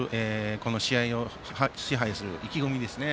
この試合を支配する意気込みですね